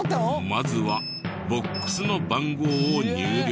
まずはボックスの番号を入力。